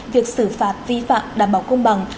việc xử phạt vi phạm đảm bảo công bằng